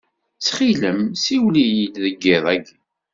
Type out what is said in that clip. Ttxil-m siwel-iyi-d deg iḍ-agi.